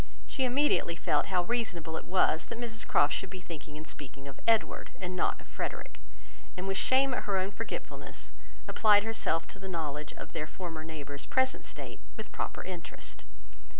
She immediately felt how reasonable it was, that Mrs Croft should be thinking and speaking of Edward, and not of Frederick; and with shame at her own forgetfulness applied herself to the knowledge of their former neighbour's present state with proper interest.